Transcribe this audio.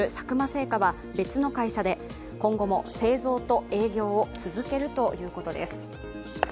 製菓は、別の会社で今後も製造と営業を続けるということです。